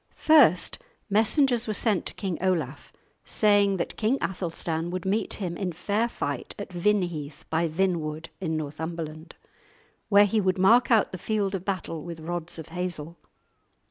First, messengers were sent to King Olaf, saying that King Athelstan would meet him in fair fight at Vinheath by Vinwood, in Northumberland, where he would mark out the field of battle with rods of hazel.